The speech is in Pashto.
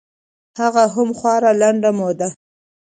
هغه هم خورا لنډه موده.